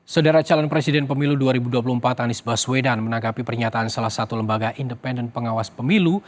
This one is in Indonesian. sedara calon presiden pemilu dua ribu dua puluh empat anies baswedan menanggapi pernyataan salah satu lembaga independen pengawas pemilu